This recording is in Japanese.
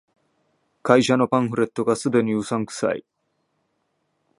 会社のパンフレットが既にうさんくさい